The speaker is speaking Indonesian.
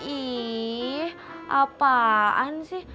ih apaan sih